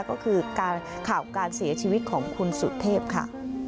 ก็คือการข่าวการเสียชีวิตของคุณสุเทพค่ะ